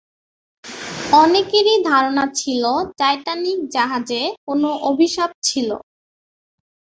অনেকেরই ধারণা ছিল টাইটানিক জাহাজে কোন অভিশাপ ছিল।